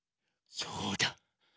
そうだ。